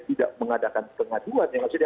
tidak mengadakan pengaduan ya gak usah dia